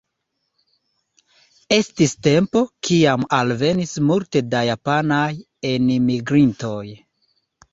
Estis tempo, kiam alvenis multe da japanaj enmigrintoj.